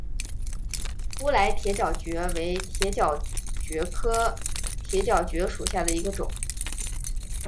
乌来铁角蕨为铁角蕨科铁角蕨属下的一个种。